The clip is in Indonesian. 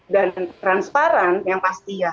dan transparan yang pasti ya